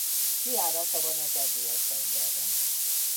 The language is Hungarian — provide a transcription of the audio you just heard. Kijárata van az Adriai-tengerre.